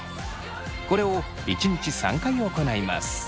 これを１日３回行います。